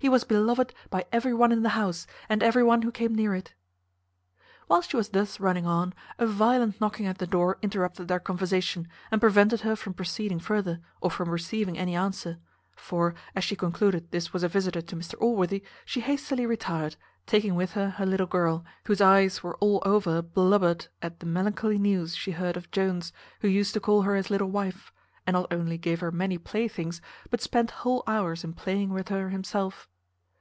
He was beloved by every one in the house, and every one who came near it." While she was thus running on, a violent knocking at the door interrupted their conversation, and prevented her from proceeding further, or from receiving any answer; for, as she concluded this was a visitor to Mr Allworthy, she hastily retired, taking with her her little girl, whose eyes were all over blubbered at the melancholy news she heard of Jones, who used to call her his little wife, and not only gave her many playthings, but spent whole hours in playing with her himself.